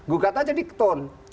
gugat aja diketon